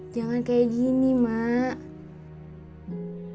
jangan kayak gini mak